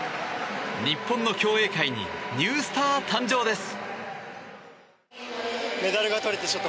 日本の競泳界にニュースター誕生です。